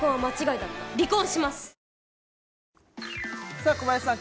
さあ小林さん